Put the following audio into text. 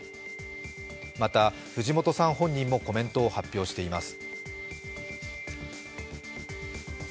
また藤本さん本人もコメントを発表しています